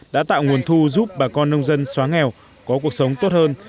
đã tạo nguồn thu giúp bà con nông dân xóa nghèo có cuộc sống tốt hơn